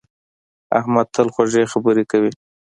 احمد تل خوږې خبرې کوي.